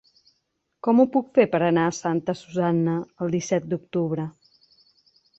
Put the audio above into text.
Com ho puc fer per anar a Santa Susanna el disset d'octubre?